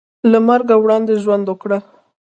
له مرګه وړاندې ژوند وکړه .